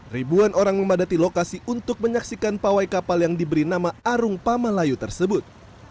ribuan orang memadati lokasi untuk menyaksikan pawai kapal yang diberi nama arung pamalayu tersebut